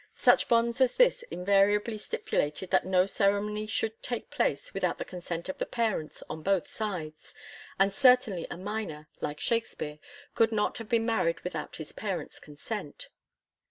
Such bonds as this invariably stipulated that no ceremony should take place without the consent of the parents on both sides, and certainly a minor, like Shakspere, could not have been married without his parents* consent.